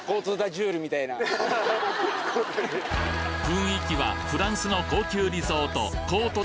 雰囲気はフランスの高級リゾート